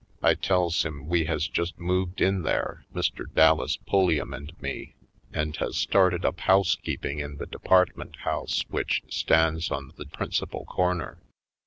I tells him we has just moved in there, Mr. Dallas Pulliam and me, and 68 /. Poindexter^ Colored has started up housekeeping in the depart ment house which stands on the principal corner.